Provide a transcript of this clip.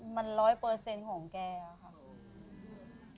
มันร้อยเปอร์เซ็นต์ของแกค่ะ